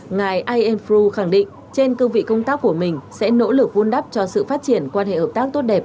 ngài ian frew khẳng định trên cơ vị công tác của mình sẽ nỗ lực vun đắp cho sự phát triển quan hệ hợp tác tốt đẹp